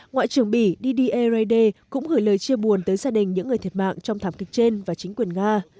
ngoại trưởng mỹ didier raide cũng gửi lời chia buồn tới gia đình những người thiệt mạng trong thảm kịch trên và chính quyền nga